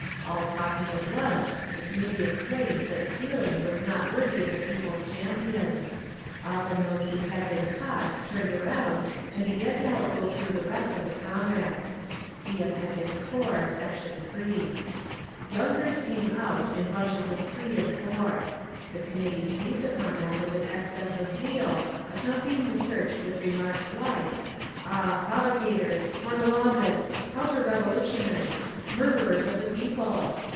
All talking at once the committee explained that stealing was not worthy of the people's champions; often those who had been caught turned around and began to help go through the rest of the comrades. (See App. IV, Sect. 3) Yunkers came out, in bunches of three or four. The committee seized upon them with an excess of zeal, accompanying the search with remarks like, "Ah, Provocators! Kornilovists! Counter revolutionists! Murderers of the People!"